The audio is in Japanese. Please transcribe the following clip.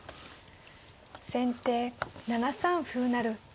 先手７三歩成。